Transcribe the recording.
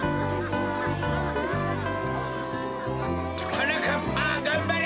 はなかっぱがんばれ。